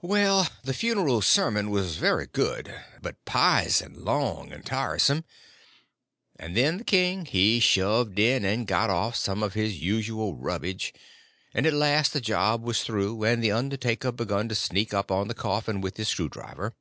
Well, the funeral sermon was very good, but pison long and tiresome; and then the king he shoved in and got off some of his usual rubbage, and at last the job was through, and the undertaker begun to sneak up on the coffin with his screw driver.